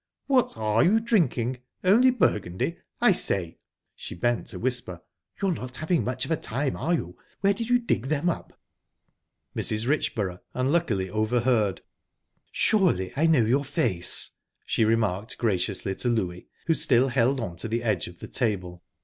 "What are you drinking? Only Burgundy?...I say..." she bent to whisper "you're not having much of a time, are you? Where did you dig them up?" Mrs. Richborough unluckily overheard. "Surely I know your face?" she remarked graciously to Louie, who still held on to the edge of the table.